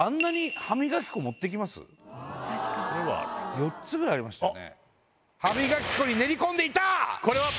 ４つぐらいありましたよね。